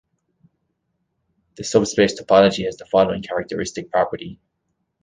The subspace topology has the following characteristic property.